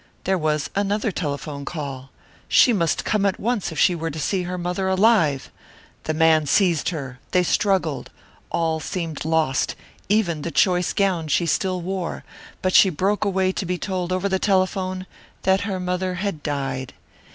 There was another telephone call. She must come at once if she were to see her mother alive. The man seized her. They struggled. All seemed lost, even the choice gown she still wore; but she broke away to be told over the telephone that her mother had died.